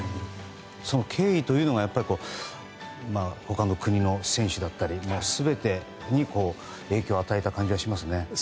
敬意というのが他の国の選手だったり全てに影響を与えた感じがしますね。